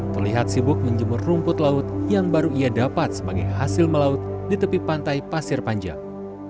terlihat sibuk menjemur rumput laut yang baru ia dapat sebagai hasil melaut di tepi pantai pasir panjang